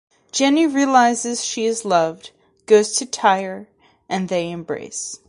Jenny realizes she is loved, goes to Tye, and they embrace.